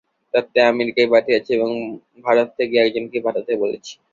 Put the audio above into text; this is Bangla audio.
তাঁকে আমেরিকায় পাঠিয়েছি এবং ভারত থেকে আর একজনকে পাঠাতে বলেছি।